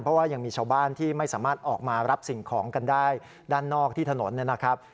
เพราะว่ายังมีชาวบ้านที่ไม่สามารถออกมารับสิ่งของกันได้ด้านนอกที่ถนนนะครับ